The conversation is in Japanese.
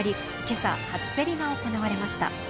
今朝初競りが行われました。